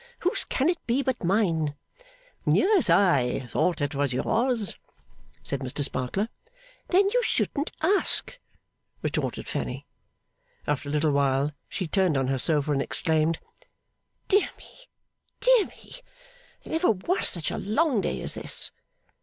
Whose can it be but mine?' 'Yes, I thought it was yours,' said Mr Sparkler. 'Then you shouldn't ask,' retorted Fanny. After a little while she turned on her sofa and exclaimed, 'Dear me, dear me, there never was such a long day as this!